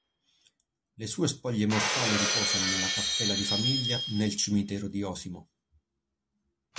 Le sue spoglie mortali riposano nella cappella di famiglia nel cimitero di Osimo.